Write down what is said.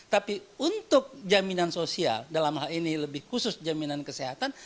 tapi untuk jaminan sosial dalam hal ini lebih khusus jaminan kesehatan